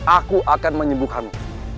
aku akan menyembuhkanmu